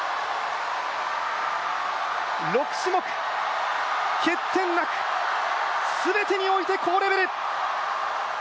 ６種目、欠点なく全てにおいて高レベル。